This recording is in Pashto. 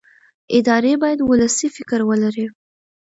ادارې باید ولسي فکر ولري